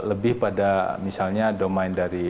lebih pada misalnya domain dari